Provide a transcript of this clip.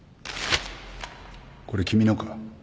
これ君のか？